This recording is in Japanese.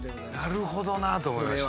なるほどなと思いました。